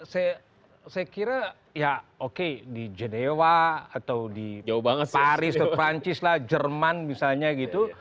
saya kira ya oke di genewa atau di paris atau perancis lah jerman misalnya gitu